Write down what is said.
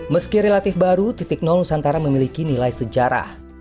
meski relatif baru titik nol nusantara memiliki nilai sejarah